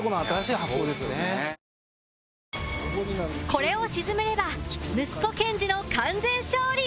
これを沈めれば息子健司の完全勝利